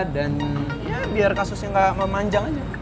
dan ya biar kasusnya gak memanjang aja